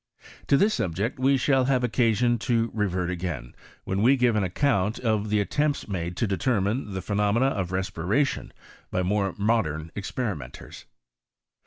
To this subject we shall have occasion to revert a^in, when we give an account of the attempts made to determine the phe nomena of respiration by more modern experimentera.